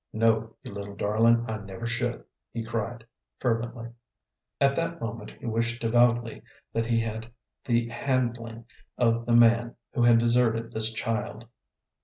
"No, you little darling, I never should," he cried, fervently. At that moment he wished devoutly that he had the handling of the man who had deserted this child.